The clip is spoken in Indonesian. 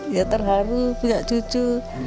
ya terharu punya cucu